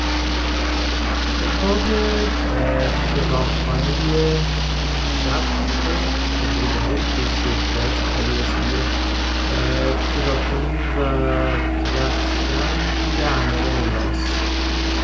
The building was the third dormitory for women on the Colorado College campus.